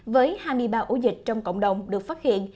với hai mươi ba ổ dịch trong cộng đồng được phát hiện